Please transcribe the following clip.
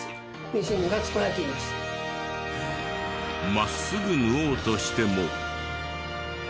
真っすぐ縫おうとしても。